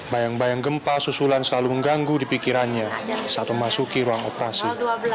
bayang bayang gempa susulan selalu mengganggu di pikirannya saat memasuki ruang operasi